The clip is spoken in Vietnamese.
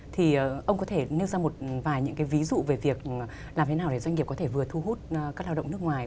thì ông có thể nêu ra một vài những cái ví dụ về việc làm thế nào để doanh nghiệp có thể vừa thu hút các lao động nước ngoài